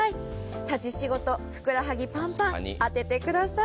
立ち仕事、ふくらはぎパンパン当ててください。